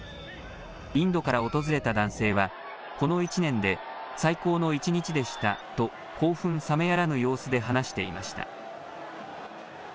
インドから訪れた男性はこの１年で最高の一日でしたと興奮冷めやらぬ様子で話していました。